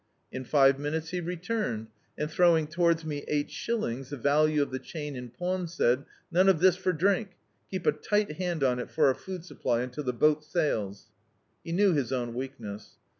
In five minutes he returned, and throwing towards me ei^t shillings, the value of the chain in pawn, said: "None of this for drink; keep a tight hand on it for our food supply until the boat sails." He knew his own weakness.